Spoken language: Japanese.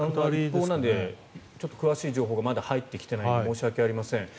ちょっと詳しい情報が入っていないので申し訳ありません。